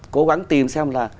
cố gắng tìm xem là